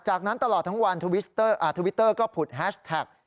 จากนั้นตลอดทั้งวันทวิตเตอร์ก็ผุดแฮชแท็ก